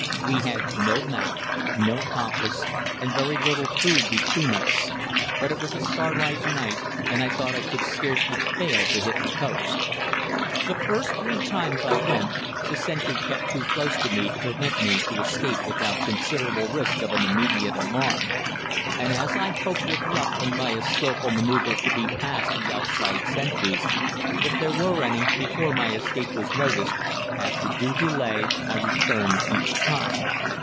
We had no map, no compass, and very little food between us, but it was a starlight night, and I thought I could scarcely fail to hit the coast. The first three times I went, the sentry kept too close to me to permit me to escape without considerable risk of an immediate alarm, and as I hoped with luck and by a skilful manoeuvre to be past the outside sentries, if there were any, before my escape was noticed, after due delay I returned each time.